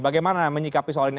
bagaimana menyikapi soal ini